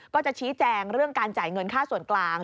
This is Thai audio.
ก็จะชี้แจงเรื่องการจ่ายเงินค่าส่วนกลาง